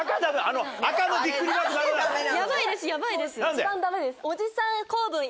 一番ダメです。